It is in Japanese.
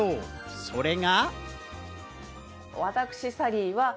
それが。